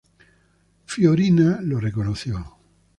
Fiorina lo reconoció.